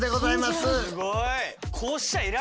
すごい！